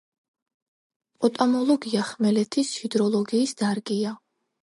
პოტამოლოგია ხმელეთის ჰიდროლოგიის დარგია.